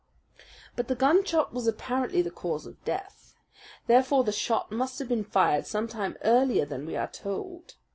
"But the gunshot was apparently the cause of death. Therefore the shot must have been fired some time earlier than we are told.